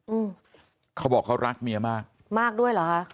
อืมเขาบอกเขารักเมียมากมากด้วยเหรอคะ